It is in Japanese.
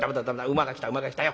馬が来た馬が来たよ。